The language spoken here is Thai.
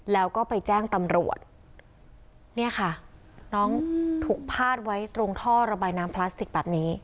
แล้วก็ไปแจ้งตำรวจเนี่ยค่ะน้องถูกพาดไว้ตรงท่อระบายน้ำพลาสติกแบบนี้